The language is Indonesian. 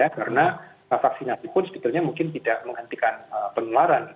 karena vaksinasi pun sebetulnya mungkin tidak menghentikan penularan